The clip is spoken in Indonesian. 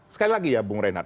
sekali lagi ya bung reinhard